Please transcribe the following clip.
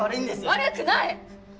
悪くない！